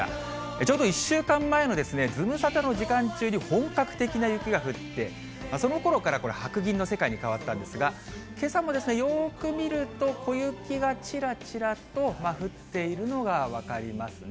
ちょうど１週間前のズムサタの時間中に本格的な雪が降って、そのころからこれ、白銀の世界に変わったんですが、けさもよーく見ると、小雪がちらちらと降っているのが分かりますね。